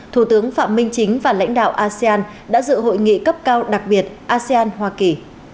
thủ tướng phạm minh chính và lãnh đạo asean đã dự hội nghị cấp cao đặc biệt asean hoa kỳ